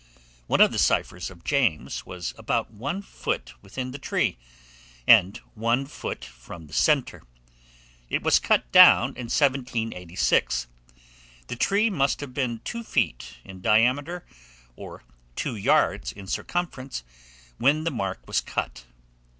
One of the ciphers of James was about one foot within the tree, and one foot from the centre. It was cut down in 1786. The tree must have been two feet in diameter, or two yards in circumference, when the mark was cut.